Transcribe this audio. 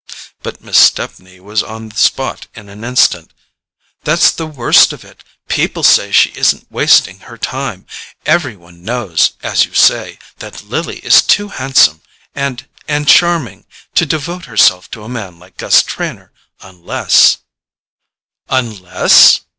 But Miss Stepney was on the spot in an instant. "That's the worst of it—people say she isn't wasting her time! Every one knows, as you say, that Lily is too handsome and—and charming—to devote herself to a man like Gus Trenor unless—" "Unless?"